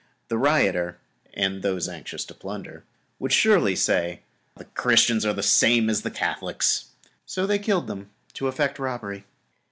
The rioter, and those anxious to plunder would surely say: "The Christians are just the same as the Catholics," so they killed them to effect robbery.